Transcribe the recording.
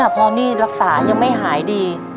พอนี่รักษายังไม่หายดี